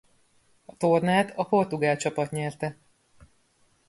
A tornát a portugál csapat nyerte.